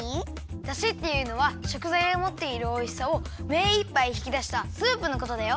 だしっていうのはしょくざいがもっているおいしさをめいっぱいひきだしたスープのことだよ。